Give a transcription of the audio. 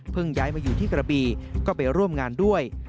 ย้ายมาอยู่ที่กระบีก็ไปร่วมงานด้วย